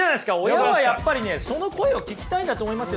親はやっぱりねその声を聞きたいんだと思いますよ。